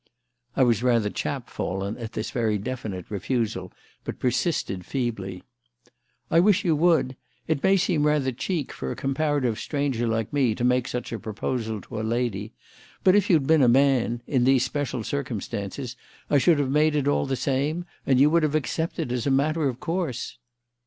I was rather chapfallen at this very definite refusal, but persisted feebly: "I wish you would. It may seem rather cheek for a comparative stranger like me to make such a proposal to a lady; but if you'd been a man in these special circumstances I should have made it all the same, and you would have accepted as a matter of course."